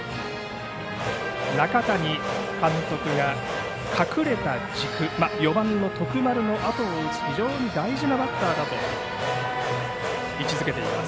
中谷監督は隠れた軸４番の徳丸のあとを打つ非常に大事なバッターだと位置づけています。